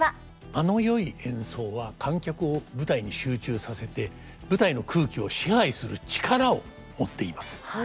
間の良い演奏は観客を舞台に集中させて舞台の空気を支配する力を持っています。